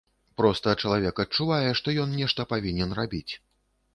Проста чалавек адчувае, што ён нешта павінен рабіць.